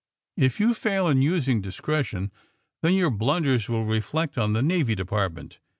If you fail in using discretion then your blunders will reflect on the Navy De partment.